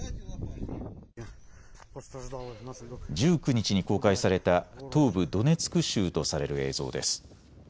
１９日に公開された東部ドネツク州とされる映像です。